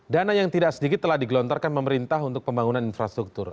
dana yang tidak sedikit telah digelontorkan pemerintah untuk pembangunan infrastruktur